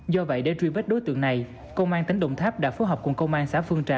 do vậy để truy vết đối tượng này công an tỉnh đồng tháp đã phối hợp cùng công an xã phương trà